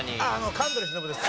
神取忍です。